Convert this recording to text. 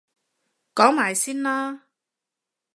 講埋先啦！